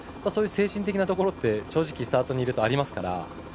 そういう精神的なところで正直、スタートにいるとありますから。